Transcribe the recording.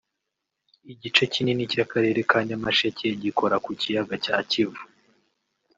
Igice kinini cy’Akarere ka Nyamasheke gikora ku kiyaga cya Kivu